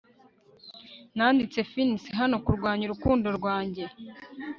nanditse finis hano kurwanya urukundo rwanjye